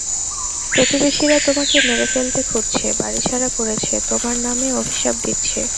প্রতিবেশীরা তোমাকে মেরে ফেলতে খুঁজছে, বাড়ি ছাড়া করেছে, তোমার নামে অভিশাপ দিচ্ছে!